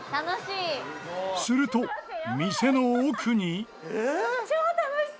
すると店の奥に。